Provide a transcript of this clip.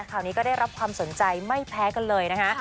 ข่าวนี้ก็ได้รับความสนใจไม่แพ้กันเลยนะคะ